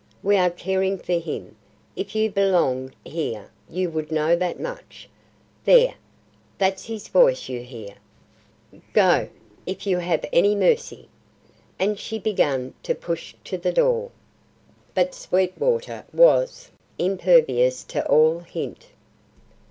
We are caring for him. If you belonged here you would know that much. There! that's his voice you hear. Go, if you have any mercy." And she began to push to the door. But Sweetwater was impervious to all hint.